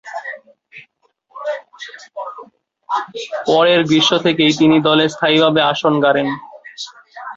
পরের গ্রীষ্ম থেকেই তিনি দলে স্থায়ীভাবে আসন গড়েন।